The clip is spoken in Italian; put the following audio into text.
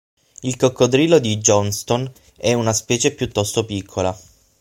Il coccodrillo di Johnston è una specie piuttosto piccola.